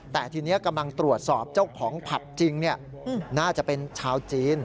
แต่ทีนี้กำลังตรวจสอบเจ้าของผับจริงน่าจะเป็นชาวจีน